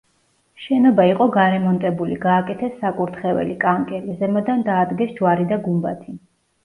შენობა იყო გარემონტებული, გააკეთეს საკურთხეველი, კანკელი, ზემოდან დაადგეს ჯვარი და გუმბათი.